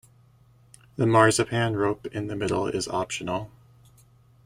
The marzipan rope in the middle is optional.